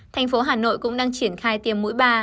thành phố hà nội cũng đang triển khai tiêm mũi ba